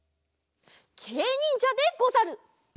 けいにんじゃでござる。